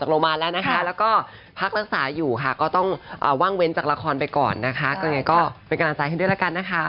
แล้วก็พักรักษาอยู่จัดการอย่าคลักษณะที่อื่ม